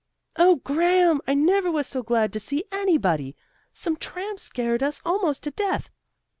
"Oh, Graham, I never was so glad to see anybody! Some tramps scared us almost to death."